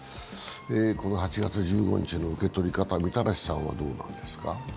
この８月１５日の受け取り方、みたらしさんはどうですか？